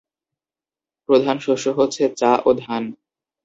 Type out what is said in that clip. প্রধান শস্য হচ্ছে চা ও ধান।